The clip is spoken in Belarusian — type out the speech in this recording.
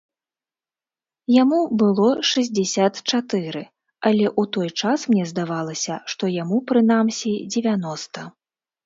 Яму было шэсцьдзесят чатыры, але ў той час мне здавалася, што яму прынамсі дзевяноста.